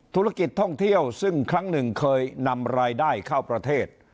ธุรกิจท่องเที่ยวซึ่งครั้งหนึ่งเคยนำรายได้เข้าประเทศ